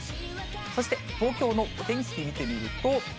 そして東京のお天気見てみると。